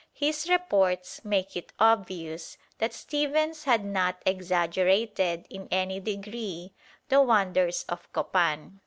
His reports make it obvious that Stephens had not exaggerated in any degree the wonders of Copan.